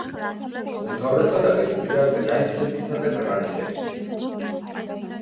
უმთავრესად აგებულია გნაისებითა და გრანიტებით.